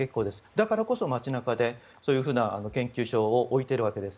だからこそ街中でそういうふうな研究所を置いているわけです。